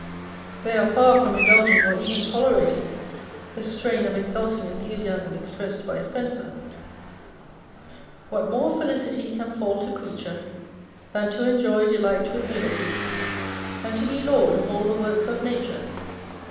They are far from indulging or even tolerating the strain of exulting enthusiasm expressed by Spenser : â€" What more felicity can full to creature Than to enjoy delight with liberty, And to be lord of all the works of nature